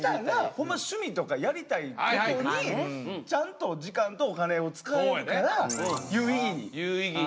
ホンマ趣味とかやりたいことにちゃんと時間とお金を使えるから有意義に。